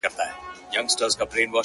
دوې هندواڼې په يوه لاس نه اخيستل کېږي.